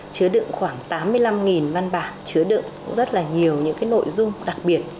chứa đựng khoảng tám mươi năm văn bản chứa đựng rất là nhiều những nội dung đặc biệt